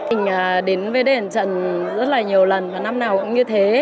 mình đến với đền trần rất là nhiều lần và năm nào cũng như thế